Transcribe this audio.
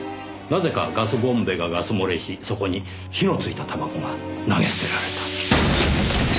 なぜかガスボンベがガス漏れしそこに火のついたタバコが投げ捨てられた。